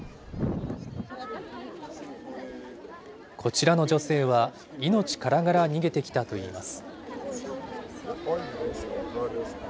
こちらの女性は、命からがら逃げてきたといいます。